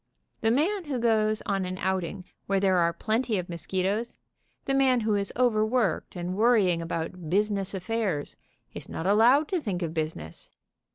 The man who goes on an outing where there are plenty of mosquitoes, the man who is overworked, and worrying about business Affairs, is not allowed to think of business.